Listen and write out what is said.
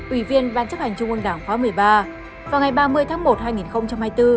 ủy viên ban chấp hành trung ương đảng khóa một mươi ba vào ngày ba mươi tháng một hai nghìn hai mươi bốn